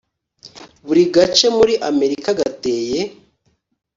Buri gace muri Amerika gateye